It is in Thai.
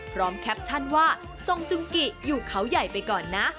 แคปชั่นว่าทรงจุงกิอยู่เขาใหญ่ไปก่อนนะ